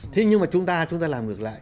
thế nhưng mà chúng ta làm ngược lại